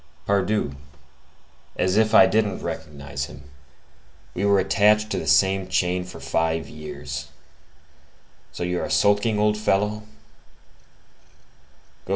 "Pardieu, as if I didn't recognize him! We were attached to the same chain for five years. So you are sulking, old fellow?"